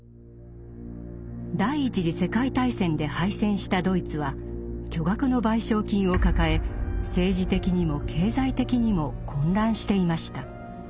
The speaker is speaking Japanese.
第一次世界大戦で敗戦したドイツは巨額の賠償金を抱え政治的にも経済的にも混乱していました。